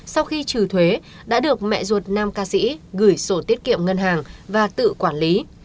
sau khi trừ thuế đã được mẹ ruột nam ca sĩ gửi sổ tiết kiệm ngân hàng và tự quản lý